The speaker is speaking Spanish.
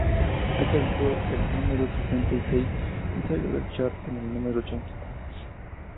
Alcanzó el número sesenta y seis y salió del chart en el número ochenta.